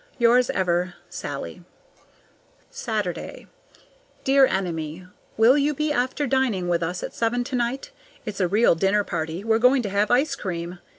Yours ever, SALLIE. Saturday. Dear Enemy: Will you be after dining with us at seven tonight? It's a real dinner party; we're going to have ice cream.